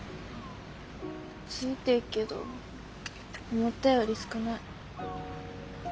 ついてっけど思ったより少ない。